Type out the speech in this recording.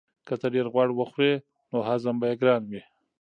که ته ډېر غوړ وخورې نو هضم به یې ګران وي.